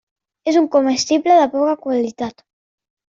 És un comestible de poca qualitat.